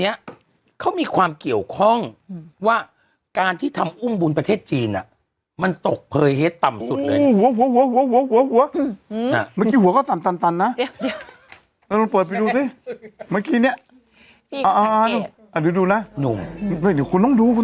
และร่วมกันใช้ดวงตรารอยตราหรือแผ่นปากปรวดดวงตราที่ทำปลอมขึ้น